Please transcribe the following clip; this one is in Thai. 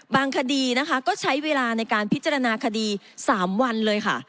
คดีนะคะก็ใช้เวลาในการพิจารณาคดี๓วันเลยค่ะ